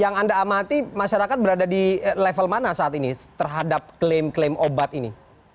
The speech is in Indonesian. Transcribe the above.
yang anda amati masyarakat berada di level mana saat ini terhadap klaim klaim obat ini